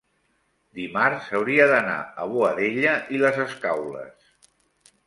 dimarts hauria d'anar a Boadella i les Escaules.